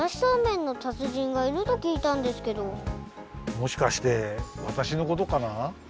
もしかしてわたしのことかな？